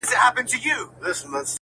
ه ياره د څراغ د مــړه كولو پــه نـيت~